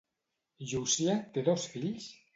Llúcia té dos fills?